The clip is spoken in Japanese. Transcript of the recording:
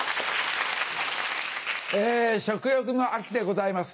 食欲の秋でございます。